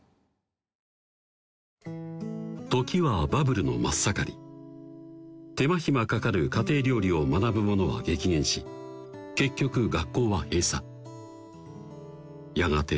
時はバブルの真っ盛り手間暇かかる家庭料理を学ぶ者は激減し結局学校は閉鎖やがて